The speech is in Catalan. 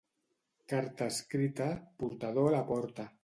Carta escrita, portador la porta.